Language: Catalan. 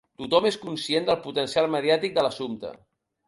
Tothom és conscient del potencial mediàtic de l'assumpte.